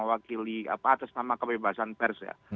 wakili atas nama kebebasan pers ya